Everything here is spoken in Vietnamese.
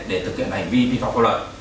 để thực hiện hành vi vi phạm câu lợi